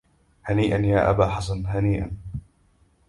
هنيئا يا أبا حسن هنيئا